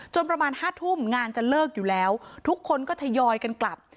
ประมาณ๕ทุ่มงานจะเลิกอยู่แล้วทุกคนก็ทยอยกันกลับ